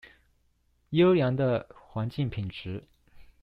優良的環境品質